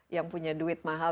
yang punya duit mahal